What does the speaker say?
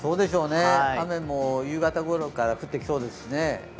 雨も夕方ごろから降ってきそうですしね。